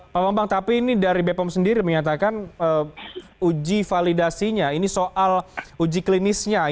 pak bambang tapi ini dari bepom sendiri menyatakan uji validasinya ini soal uji klinisnya